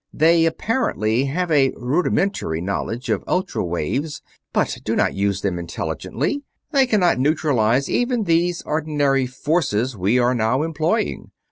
They apparently have a rudimentary knowledge of ultra waves, but do not use them intelligently they cannot neutralize even these ordinary forces we are now employing.